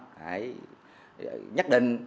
phải nhất định